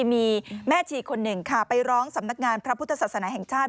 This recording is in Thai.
มีแม่ชีคนหนึ่งค่ะไปร้องสำนักงานพระพุทธศาสนาแห่งชาติ